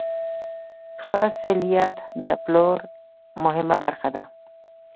ښه سلیت د پلور مهمه برخه ده.